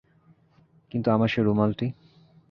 কিন্তু আমার সেই রুমালটি?